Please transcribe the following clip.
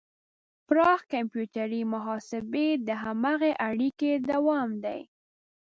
پراخ کمپیوټري محاسبې د هماغې اړیکې دوام دی.